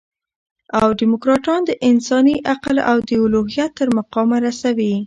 او ډيموکراټان د انساني عقل او د الوهیت تر مقامه رسوي.